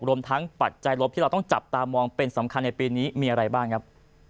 รวมทั้งปัจจัยลบที่เราต้องจับตามองเป็นสำคัญในปีนี้มีอะไรบ้างครับ